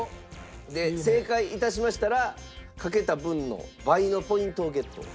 正解致しましたらかけた分の倍のポイントをゲット。